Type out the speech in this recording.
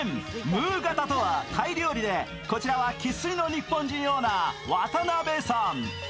ムーガタとはタイ料理でこちらは生っ粋の日本人オーナー渡邊さん。